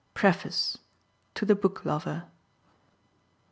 PREFACE. TO THE BOOK LOVER.